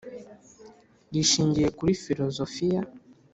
rishingiye kuri filozofiya.